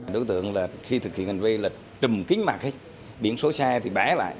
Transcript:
đối tượng là khi thực hiện hành vi là trùm kính mạc hết biển số xe thì bẽ lại